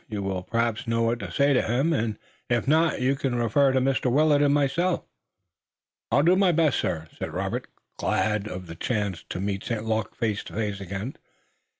You will perhaps know what to say to him, and, if not, you can refer to Mr. Willet and myself." "I will do my best, sir," said Robert, glad of the chance to meet St. Luc face to face again.